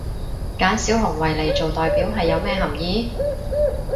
揀小熊維尼做代表係有咩含意？